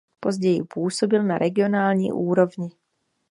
Později působil na regionální úrovni.